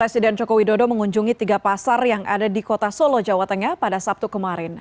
presiden joko widodo mengunjungi tiga pasar yang ada di kota solo jawa tengah pada sabtu kemarin